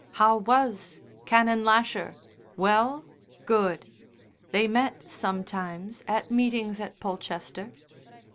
How was Canon Lasher? Well? Good. They met sometimes at meetings at Polchester.